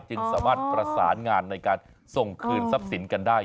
จึงสามารถประสานงานในการส่งคืนทรัพย์สินกันได้